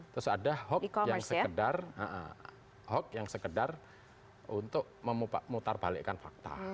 terus ada hoax yang sekedar untuk memutarbalikan fakta